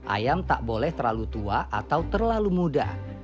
ayam tak boleh terlalu tua atau terlalu muda